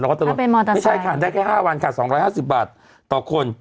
ไม่ใช่ค่ะได้แค่๕วันค่ะ๒๕๐บาทต่อคน